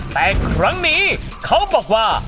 แต่ครั้งนี้เขาบอกว่า